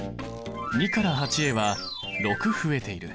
２から８へは６増えている。